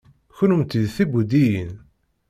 Kennemti d tibudiyin?